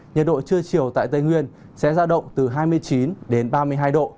nhiệt độ trưa chiều tại tây nguyên sẽ ra động từ hai mươi chín đến ba mươi hai độ